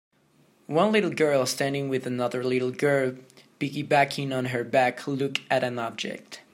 One little girl standing with another little girl piggybacking on her back look at an object.